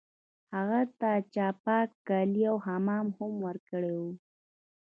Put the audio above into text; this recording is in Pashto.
هغه ته چا پاک کالي او حمام هم ورکړی و